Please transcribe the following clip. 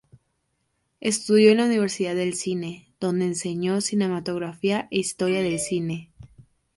Estudió en la Universidad del Cine, donde enseñó cinematografía e historia del cine.